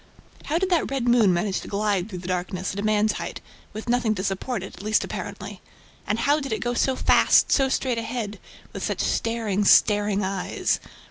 How did that red moon manage to glide through the darkness, at a man's height, with nothing to support it, at least apparently? And how did it go so fast, so straight ahead, with such staring, staring eyes?